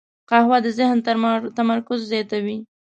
قهوه د ذهن تمرکز زیاتوي